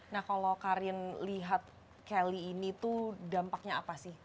nah kalau karin lihat kelly ini tuh dampaknya apa sih